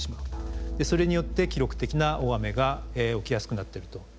それによって記録的な大雨が起きやすくなってると。